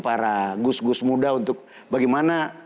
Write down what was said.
para gus gus muda untuk bagaimana